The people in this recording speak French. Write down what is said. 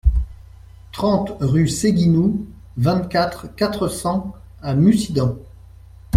trente rue de Séguinou, vingt-quatre, quatre cents à Mussidan